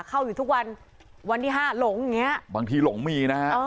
เข้าอยู่ทุกวันวันที่ห้าหลงอย่างเงี้บางทีหลงมีนะฮะ